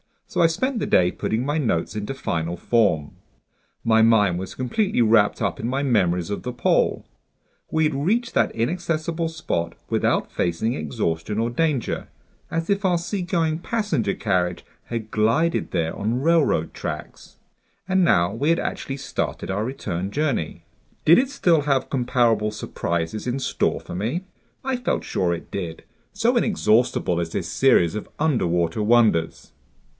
So I spent the day putting my notes into final form. My mind was completely wrapped up in my memories of the pole. We had reached that inaccessible spot without facing exhaustion or danger, as if our seagoing passenger carriage had glided there on railroad tracks. And now we had actually started our return journey. Did it still have comparable surprises in store for me? I felt sure it did, so inexhaustible is this series of underwater wonders!